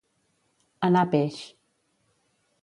Anar peix.